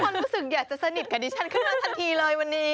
รู้สึกอยากจะสนิทกับดิฉันขึ้นมาทันทีเลยวันนี้